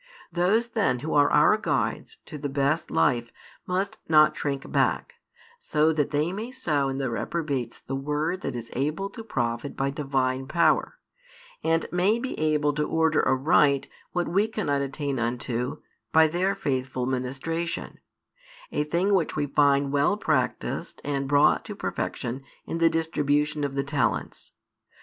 Those then who |420 are our guides to the best life must not shrink back, so that they may sow in the reprobates the Word that is able to profit by Divine power, and may be able to order aright what we cannot attain unto by their faithful ministration, a thing which we find well practised and brought to perfection in the distribution of the talents.